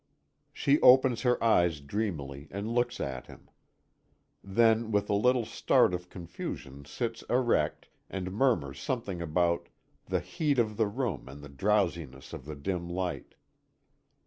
She opens her eyes dreamily and looks at him. Then, with a little start of confusion sits erect, and murmurs something about "the heat of the room and the drowsiness of the dim light."